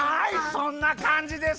そんなかんじです。